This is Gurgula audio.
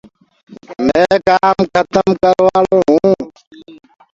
مينٚ ڪآم کتم ڪرواݪو هونٚ۔